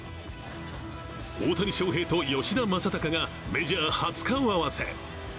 大谷翔平と吉田正尚がメジャー初顔合わせ。